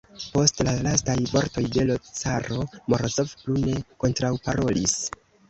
Post la lastaj vortoj de l' caro Morozov plu ne kontraŭparolis.